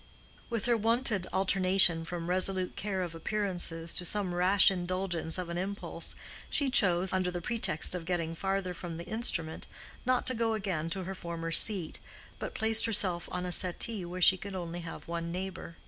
With her wonted alternation from resolute care of appearances to some rash indulgence of an impulse, she chose, under the pretext of getting farther from the instrument, not to go again to her former seat, but placed herself on a settee where she could only have one neighbor.